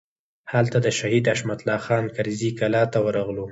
هلته د شهید حشمت الله خان کرزي کلا ته ورغلو.